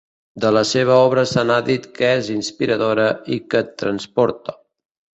De la seva obra se n'ha dit que és inspiradora i que et transporta.